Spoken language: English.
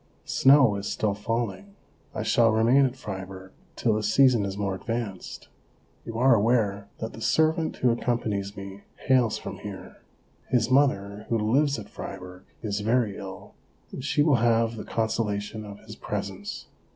Snow is still falling ; I shall remain at Fribourg till the season is more advanced. You are aware that the servant who accompanies me hails from here. His mother, who lives at Fribourg, is very ill, and she will have the consola tion of his presence.